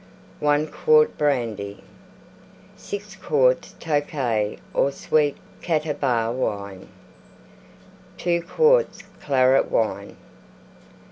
1 quart Brandy. 6 Quarts Tokay or Sweet Catawba Wine. 2 quarts Claret Wine.